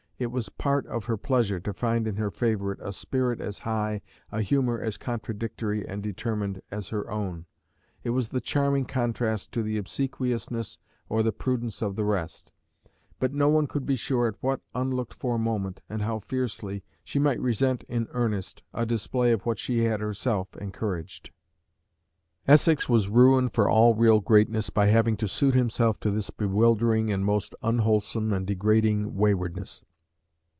It was part of her pleasure to find in her favourite a spirit as high, a humour as contradictory and determined, as her own; it was the charming contrast to the obsequiousness or the prudence of the rest; but no one could be sure at what unlooked for moment, and how fiercely, she might resent in earnest a display of what she had herself encouraged. Essex was ruined for all real greatness by having to suit himself to this bewildering and most unwholesome and degrading waywardness.